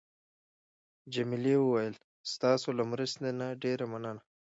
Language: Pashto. جميلې وويل: ستاسو له مرستې نه ډېره مننه.